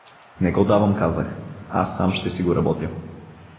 Не го давам, казах, аз сам ще си го работя.